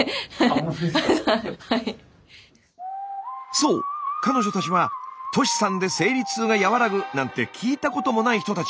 そう彼女たちは「トシさんで生理痛が和らぐ」なんて聞いたこともない人たち。